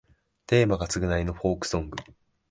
テーマが償いのフォークソング